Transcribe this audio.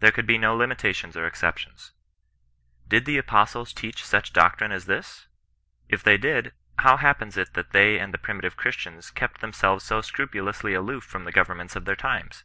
There could be no limitations or exceptions. Did the apostles teach such doctrine as CHBISTIAN NON BESISTANCE. 65 this ? If they did, how happens it that they and the primitive Chnstians kept themselves so scrupulously aloof from the governments of their times